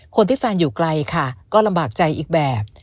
แฟนอยู่ไกลค่ะก็ลำบากใจอีกแบบ